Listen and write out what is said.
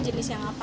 jenis yang apa